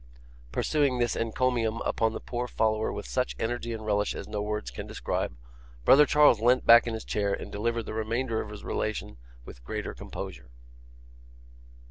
Pursuing this encomium upon the poor follower with such energy and relish as no words can describe, brother Charles leant back in his chair, and delivered the remainder of his relation with greater composure.